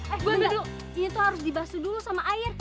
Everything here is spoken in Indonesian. eh tunggu dulu ini tuh harus dibasu dulu sama air